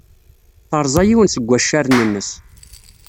Terẓa yiwen seg waccaren-nnes.